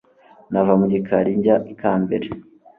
nava mu gikari njya ikambere